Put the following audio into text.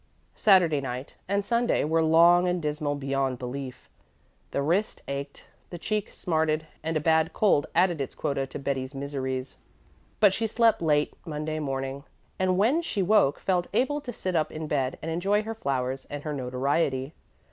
Saturday night and Sunday were long and dismal beyond belief. The wrist ached, the cheek smarted, and a bad cold added its quota to Betty's miseries. But she slept late Monday morning, and when she woke felt able to sit up in bed and enjoy her flowers and her notoriety.